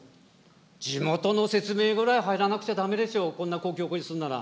地元の説明ぐらい入らなくちゃだめでしょ、こんな公共工事するなら。